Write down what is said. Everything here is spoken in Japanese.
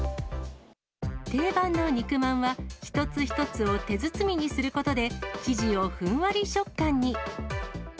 定番の肉まんは、一つ一つを手包みにすることで、生地をふんわり食感に。